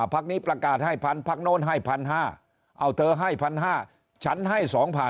พักนี้ประกาศให้๑๐๐พักโน้นให้๑๕๐๐เอาเธอให้๑๕๐๐ฉันให้๒๐๐๐